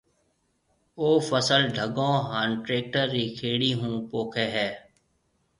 او فصل ڍڳون ھان ٽريڪٽر رِي کيڙي ھون پوکيَ ھيََََ